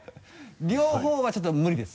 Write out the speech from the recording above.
両方はちょっと無理です。